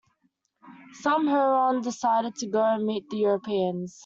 Some Huron decided to go and meet the Europeans.